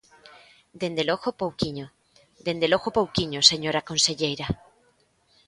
Dende logo, pouquiño; dende logo pouquiño, señora conselleira.